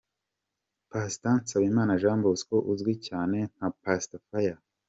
Pastor Nsabimana Jean Bosco uzwi cyane nka Pastor Fire.